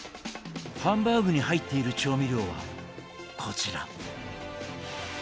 ハンバーグに入っている調味料はこちら。